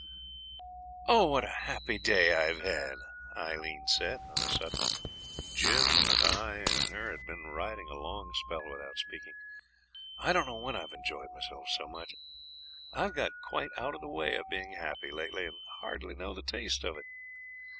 'Oh! what a happy day I've had,' Aileen said, on a sudden. Jim and I and her had been riding a long spell without speaking. 'I don't know when I've enjoyed myself so much; I've got quite out of the way of being happy lately, and hardly know the taste of it.